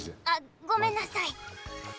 あっごめんなさい！